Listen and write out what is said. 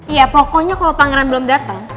iya pokoknya kalo pangeran belum dateng